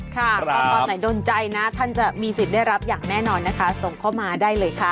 ตอนไหนโดนใจนะท่านจะมีสิทธิ์ได้รับอย่างแน่นอนนะคะส่งเข้ามาได้เลยค่ะ